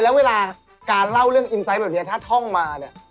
แล้วเวลาการเล่าเรื่องแบบนี้แปลว่าถ้าท่องมา